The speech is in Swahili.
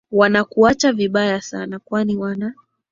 wanakuacha vibaya sana kwani wana